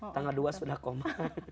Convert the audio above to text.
tanggal dua sudah koma